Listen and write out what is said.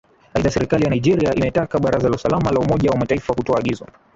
aidha serikali ya nigeria imelitaka baraza la usalama la umoja wa mataifa kutoa agizo